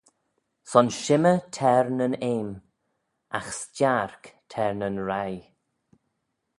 Son shimmey t'er nyn eam, agh s'tiark t'er nyn reih.